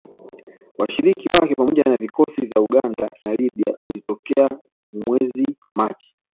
Washirika wake pamoja na vikosi vya Uganda na Libya ulitokea mwezi Machi